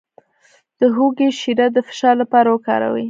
د هوږې شیره د فشار لپاره وکاروئ